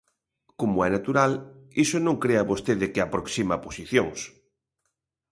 Como é natural, iso non crea vostede que aproxima posicións.